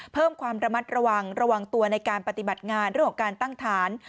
เพิ่มความระมัดระวังระวังตัวในการปฏิบัติงานเรื่องของการตั้งฐาน